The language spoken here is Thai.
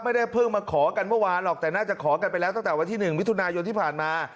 ไม่ได้เพิ่งมาขอกันเมื่อวานหรอกแต่น่าจะขอกันไปแล้วตั้งแต่วันที่๑มิถุนายนที่ผ่านมา